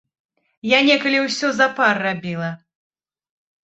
Я некалі ўсё запар рабіла.